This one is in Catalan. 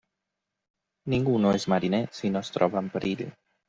Ningú no és mariner si no es troba en perill.